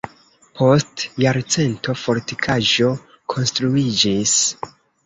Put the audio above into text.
Post jarcento fortikaĵo konstruiĝis.